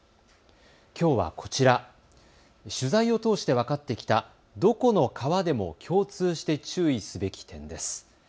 きょうはこちら、取材を通して分かってきたどこの川でも共通して注意すべき点です。